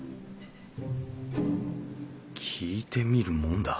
聞いてみるもんだ。